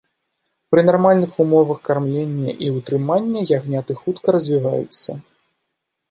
Пры нармальных умовах кармлення і ўтрымання ягняты хутка развіваюцца.